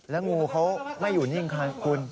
แล้วงูเขาไม่อยู่นิ่งค่ะคุณ